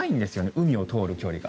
海を通る距離が。